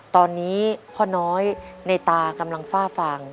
ตอนนี้พ่อน้อยในตากำลังฝ้าฟาง